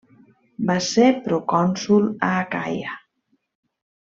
Va ser procònsol a Acaia.